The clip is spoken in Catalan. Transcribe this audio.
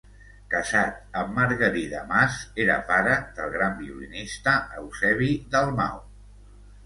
Casat amb Margarida Mas era pare del gran violinista Eusebi Dalmau.